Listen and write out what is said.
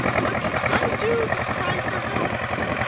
What can I do but cry for help?